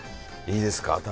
いいですか？